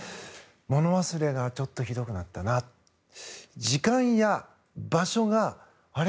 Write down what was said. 物忘れがちょっとひどくなったな時間や場所が、あれ？